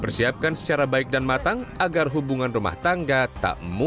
persiapkan secara baik dan matang agar hubungan rumah tangga tak mudah